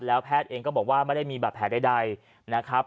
แล้วแพทย์เองก็บอกว่าไม่ได้มีบาดแผลใดนะครับ